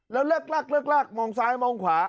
แล้วเลิกลากมองซ้ายมองขวา